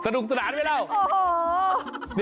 สนุกสนานไปแล้ว